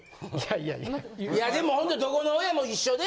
いやでも本当どこの親も一緒で。